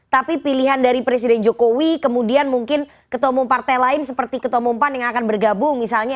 tapi pilihan dari presiden jokowi kemudian mungkin ketemu partai lain seperti ketemu empan yang akan bergabung misalnya